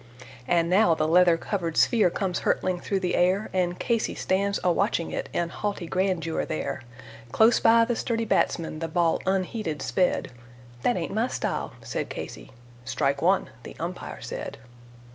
And now the leather covered sphere comes hurtling through the air, And Casey stands a watching it in haughty grandeur there. Close by the sturdy batsman the ball unheeded sped "That ain't my style," said Casey. "Strike one," the umpire said.